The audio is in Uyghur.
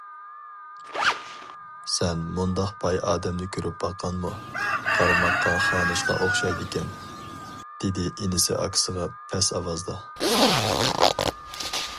سەن مۇنداق باي ئادەمنى كۆرۈپ باققانمۇ؟ قارىماققا خانىشقا ئوخشايدىكەن، دېدى ئىنىسى ئاكىسىغا پەس ئاۋازدا.